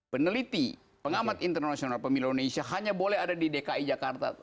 peneliti pengamat internasional pemilu indonesia hanya boleh ada di dki jakarta